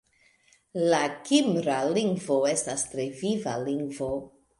La kimra lingvo estas tre viva lingvo.